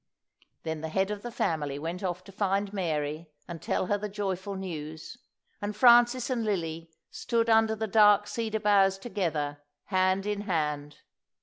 Then the head of the family went off to find Mary and tell her the joyful news, and Francis and Lily stood under the dark cedar boughs together hand in hand.